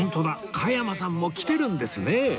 加山さんも来てるんですね